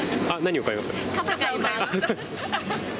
傘買います。